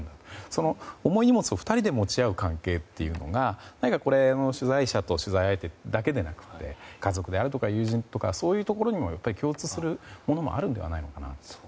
その重い荷物を２人で持ち合う関係というのが取材者と取材相手だけじゃなくて家族であるとか友人とかそういうところにも共通するものもあるのではないかなと。